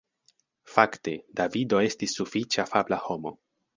Fakte Davido estis sufiĉe afabla homo.